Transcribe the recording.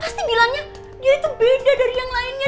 pasti bilangnya dia itu beda dari yang lainnya